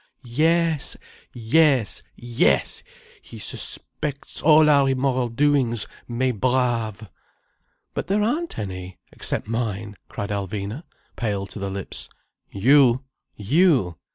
Yes—yes—yes! He suspects all our immoral doings, mes braves." "But there aren't any, except mine," cried Alvina, pale to the lips. "You! You!